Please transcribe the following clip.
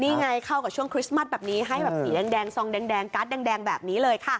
นี่ไงเข้ากับช่วงคริสต์มัสแบบนี้ให้แบบสีแดงซองแดงการ์ดแดงแบบนี้เลยค่ะ